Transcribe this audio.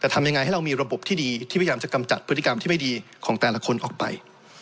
แต่ทำยังไงให้เรามีระบบที่ดีที่พยายามจะกำจัดพฤติกรรมที่ไม่ดีของแต่ละคนออกไป